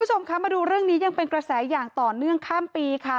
คุณผู้ชมคะมาดูเรื่องนี้ยังเป็นกระแสอย่างต่อเนื่องข้ามปีค่ะ